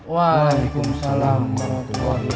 waalaikumsalam warahmatullahi wabarakatuh